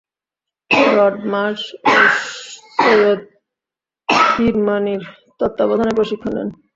Rod Marsh ও সৈয়দ কিরমাণী’র তত্ত্বাবধানে প্রশিক্ষণ নেন।